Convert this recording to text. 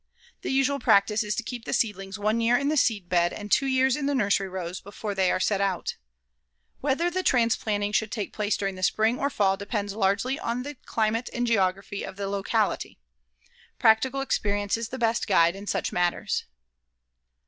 The usual practice is to keep the seedlings one year in the seedbed and two years in the nursery rows before they are set out. Whether the transplanting should take place during the spring or fall depends largely on the climate and geography of the locality. Practical experience is the best guide in such matters.